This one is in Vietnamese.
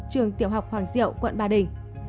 trường tiểu học hoàng diệu quận ba đình